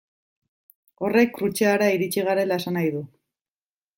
Horrek Krutxeara iritsi garela esan nahi du.